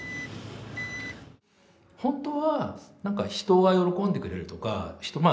本当はなんか人が喜んでくれるとかまあ